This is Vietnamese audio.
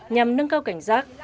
nhằm nâng cao cảnh giác